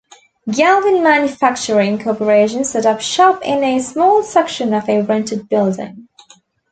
Galvin Manufacturing Corporation set up shop in a small section of a rented building.